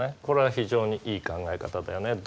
これは非常にいい考え方だよね。